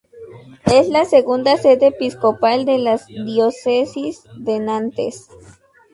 Es la segunda sede episcopal de la diócesis de Nantes.